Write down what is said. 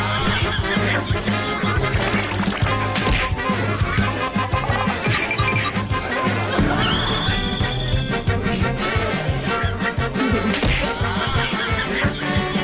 ที่๑จะเผลอก่อนจะกลับอันด้ากระดูกในที่๒